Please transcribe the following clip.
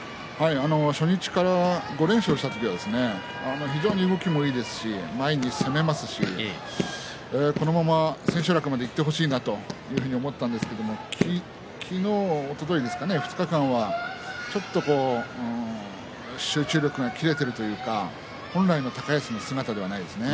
初日から５連勝した時は非常に動きもいいですし前に攻めますし、このまま千秋楽までいってほしいなというふうに思ったんですけれど昨日、おとといの２日間はちょっと集中力が切れているというか本来の高安の姿ではないですね。